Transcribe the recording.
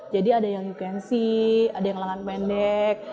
jadi ada yang ukensi ada yang lengan pendek